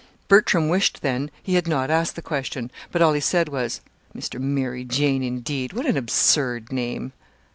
Bertram wished then he had not asked the question; but all he said was: "'Mr. Mary Jane,' indeed! What an absurd name!"